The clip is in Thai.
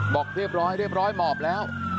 บอกเรียบร้อยเรียบร้อยหมอบแล้ว